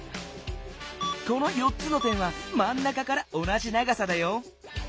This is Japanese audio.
この４つの点はまんなかから同じ長さだよ。